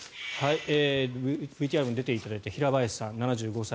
ＶＴＲにも出ていただいた平林さん、７５歳